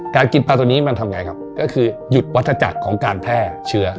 การกินปลาตัวนี้มันทำไงครับก็คือหยุดวัฒจักรของการแพร่เชื้อ